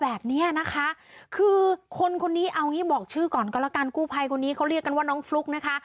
เอางี้บอกชื่อก่อนก็แล้วกันกู้ภัยคนนี้เขาเรียกกันว่าน้องฟลุ๊กนะคะ